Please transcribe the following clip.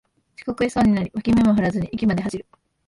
遅刻しそうになり脇目も振らずに駅まで走る